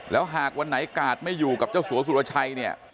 แล้วหากวันไหนกาดไม่อยู่กับเจ้าสัวสุรชัยเนี่ย